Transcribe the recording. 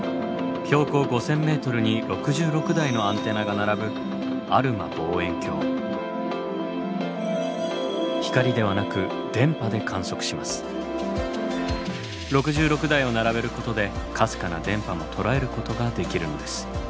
標高５，０００ｍに６６台のアンテナが並ぶ光ではなく６６台を並べることでかすかな電波も捉えることができるのです。